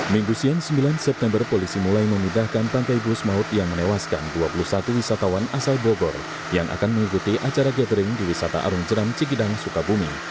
minggu siang sembilan september polisi mulai memindahkan bangkai bus maut yang menewaskan dua puluh satu wisatawan asal bogor yang akan mengikuti acara gathering di wisata arung jeram cikidang sukabumi